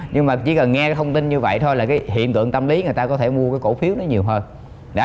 nhưng mà chỉ cần nghe thông tin như vậy thôi là hiện tượng tâm lý người ta có thể mua cái cổ phiếu đó nhiều hơn